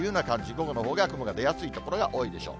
午後のほうが雲の出やすい所が多いでしょう。